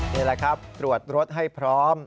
นี่แหละครับตรวจรถให้พร้อม